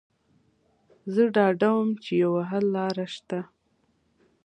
زه ډاډه وم چې یوه حل لاره شته